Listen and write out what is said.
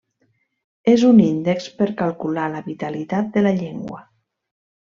És un índex per calcular la vitalitat de la llengua.